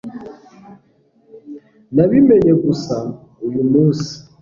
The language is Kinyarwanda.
nabimenye gusa uyu munsi